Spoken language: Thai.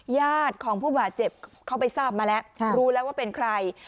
ญาติของผู้บาดเจ็บเขาไปทราบมาแล้วรู้แล้วว่าเป็นใคร